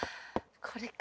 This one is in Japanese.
これか。